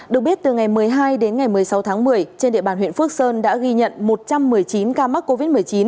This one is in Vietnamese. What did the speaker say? được biết từ ngày một mươi hai đến ngày một mươi sáu tháng một mươi trên địa bàn huyện phước sơn đã ghi nhận một trăm một mươi chín ca mắc covid một mươi chín